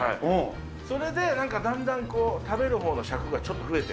それで、なんかだんだん食べるほうの尺がちょっと増えて。